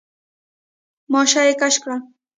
ماشه يې کش کړه.